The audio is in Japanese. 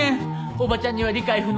おばちゃんには理解不能。